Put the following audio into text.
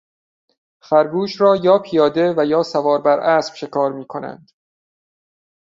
خرگوش را یا پیاده و یا سوار بر اسب شکار میکنند.